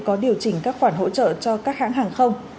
có điều chỉnh các khoản hỗ trợ cho các hãng hàng không